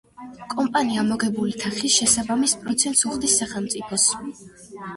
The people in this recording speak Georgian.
კომპანია მოგებული თანხის შესაბამის პროცენტს უხდის სახელმწიფოს.